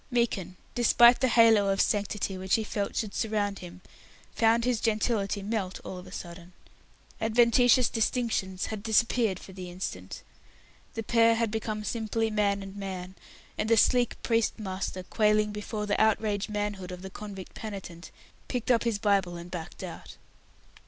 Meekin, despite the halo of sanctity which he felt should surround him, found his gentility melt all of a sudden. Adventitious distinctions had disappeared for the instant. The pair had become simply man and man, and the sleek priest master quailing before the outraged manhood of the convict penitent, picked up his Bible and backed out.